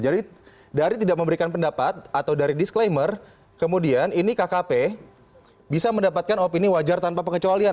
jadi dari tidak memberikan pendapat atau dari disclaimer kemudian ini kkp bisa mendapatkan opini wajar tanpa pengecualian